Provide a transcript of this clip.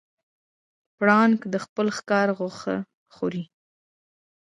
پړانګ د خپل ښکار غوښې خوري.